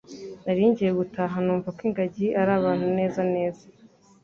nari ngiye gutaha numva ko ingagi ari abantu neza neza.